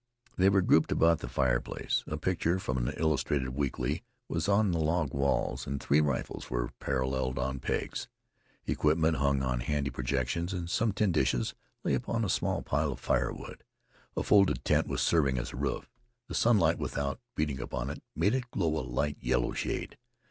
They were grouped about the fireplace. A picture from an illustrated weekly was upon the log walls, and three rifles were paralleled on pegs. Equipments hung on handy projections, and some tin dishes lay upon a small pile of firewood. A folded tent was serving as a roof. The sunlight, without, beating upon it, made it glow a light yellow shade.